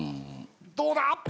どうだ